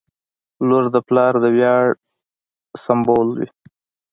• لور د پلار د ویاړ سمبول وي.